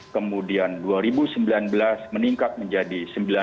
kemudian dua ribu sembilan belas meningkat menjadi sembilan puluh